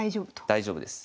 大丈夫です。